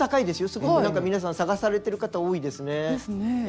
すごく皆さん探されてる方多いですね。ですね。